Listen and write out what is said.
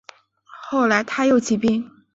后来他又起兵。